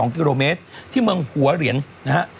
๒กิโลเมตรที่เมืองหัวเหรียญนะฮะ